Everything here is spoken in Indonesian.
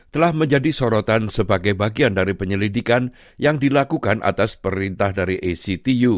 telah menjadi sorotan sebagai bagian dari penyelidikan yang dilakukan atas perintah dari actu